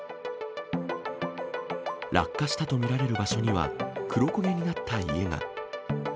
落下したと見られる場所には、黒焦げになった家が。